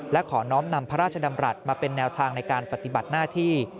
และขอน้อมนำพระราชดำรัฐมาเป็นแนวทางในการปฏิบัติหน้าที่